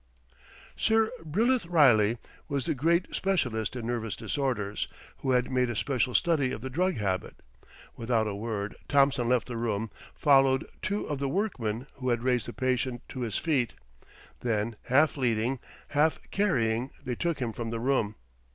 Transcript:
Sir Bryllith Riley was the great specialist in nervous disorders, who had made a special study of the drug habit. Without a word Thompson left the room, followed two of the "workmen," who had raised the patient to his feet. Then half leading, half carrying they took him from the room.